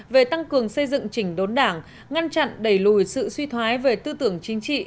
về tăng cường xây dựng chỉnh đốn đảng ngăn chặn đẩy lùi sự suy thoái về tư tưởng chính trị